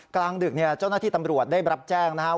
กลางดึกเจ้าหน้าที่ตำรวจได้รับแจ้งนะครับ